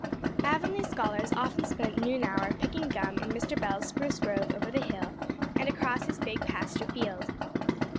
Avonlea scholars often spent noon hour picking gum in Mr. Bell's spruce grove over the hill and across his big pasture field.